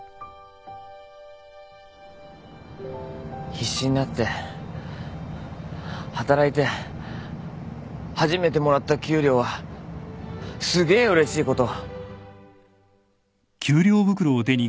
必死になって働いて初めてもらった給料はすげえうれしいこと。